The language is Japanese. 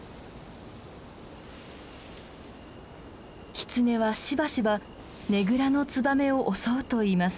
キツネはしばしばねぐらのツバメを襲うといいます。